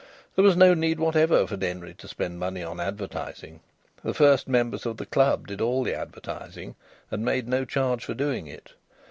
There was no need whatever for Denry to spend money on advertising. The first members of the club did all the advertising and made no charge for doing it.